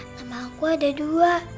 nama aku ada dua